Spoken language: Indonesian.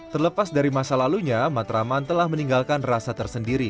terlepas dari masa lalunya matraman telah meninggalkan rasa tersendiri